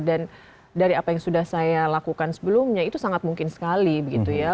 dan dari apa yang sudah saya lakukan sebelumnya itu sangat mungkin sekali gitu ya